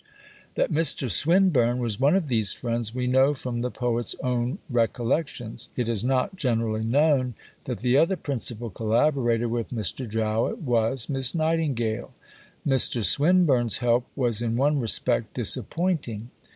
That Mr. Swinburne was one of these friends, we know from the poet's own recollections; it is not generally known that the other principal collaborator with Mr. Jowett was Miss Nightingale. Mr. Swinburne's help was in one respect disappointing.